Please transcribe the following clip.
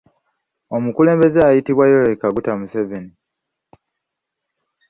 Omukulembeze ayitibwa Yoweri Kaguta Museven.